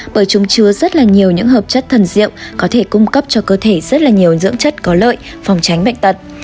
bởi chúng chứa rất nhiều những hợp chất thần diệu có thể cung cấp cho cơ thể rất nhiều dưỡng chất có lợi phòng tránh bệnh tật